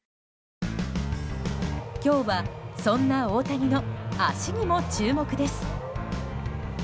今日はそんな大谷の足にも注目です。